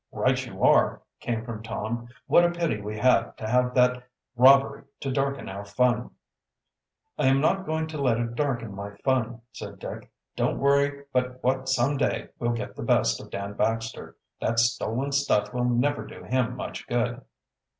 "Right you are," came from Tom. "What a pity we had to have that robbery to darken our fun." "I am not going to let it darken my fun," said Dick. "Don't worry but what some day we'll get the best of Dan Baxter. That stolen stuff will never do him much good."